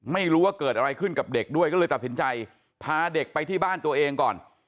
ไม่รู้ว่าเกิดอะไรขึ้นกับเด็กด้วยก็เลยตัดสินใจพาเด็กไปที่บ้านตัวเองก่อน